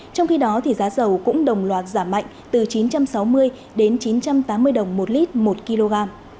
trong khi đó giá dầu cũng đồng loạt giảm mạnh từ chín trăm sáu mươi đến chín trăm tám mươi đồng một lít một kg